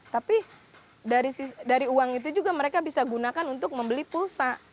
tapi dari uang itu juga mereka bisa gunakan untuk membeli pulsa